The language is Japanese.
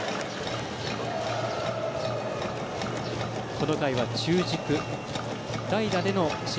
この回は中軸代打での試合